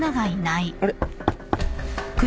あれ？